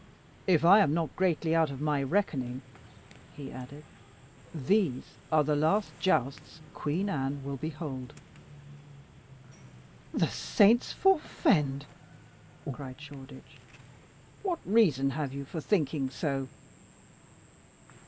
"If I am not greatly out of my reckoning," he added, "these are the last jousts Queen Anne will behold." "The saints forefend!" cried Shoreditch; "what reason have you for thinking so?"